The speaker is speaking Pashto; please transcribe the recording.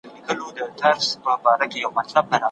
هغه تل په خپلو ویناوو کې پر عصري زده کړو ټینګار کوي.